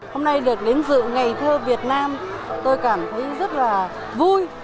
hôm nay được đến dự ngày thơ việt nam tôi cảm thấy rất là vui